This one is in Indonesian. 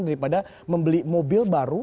daripada membeli mobil baru